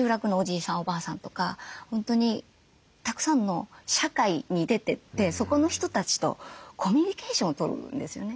おばあさんとか本当にたくさんの社会に出てってそこの人たちとコミュニケーションを取るんですよね。